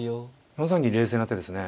４三銀冷静な手ですね。